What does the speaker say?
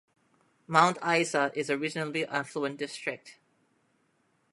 Mount Isa is a reasonably affluent district.